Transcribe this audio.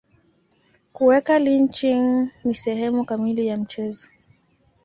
Kuweka lynching ni sehemu kamili ya mchezo.